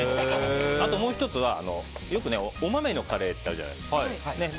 あと、もう１つはよくお豆のカレーってあるじゃないですか。